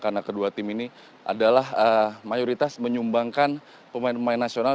karena kedua tim ini adalah mayoritas menyumbangkan pemain pemain nasional